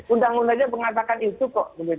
undang undangnya mengatakan itu kok